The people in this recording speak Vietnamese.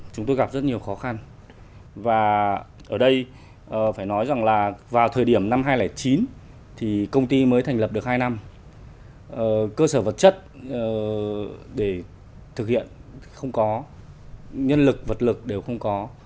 chúng tôi gặp rất nhiều khó khăn và ở đây phải nói rằng là vào thời điểm năm hai nghìn chín thì công ty mới thành lập được hai năm cơ sở vật chất để thực hiện không có nhân lực vật lực đều không có